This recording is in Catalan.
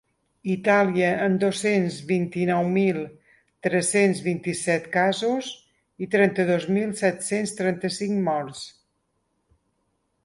Itàlia, amb dos-cents vint-i-nou mil tres-cents vint-i-set casos i trenta-dos mil set-cents trenta-cinc morts.